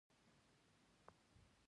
د ژبي معیار باید وساتل سي.